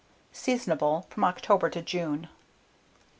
Seasonable from October to June.